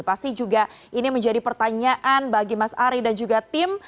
pasti juga ini menjadi pertanyaan bagi mas ari dan juga tim